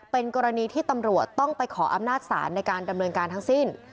เป็นกรณีที่ตำรวจต้องไปขออำนาจศาลในการดำเนินการทั้งสิ้น